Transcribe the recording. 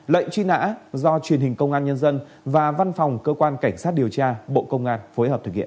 lệnh truy nã do truyền hình công an nhân dân và văn phòng cơ quan cảnh sát điều tra bộ công an phối hợp thực hiện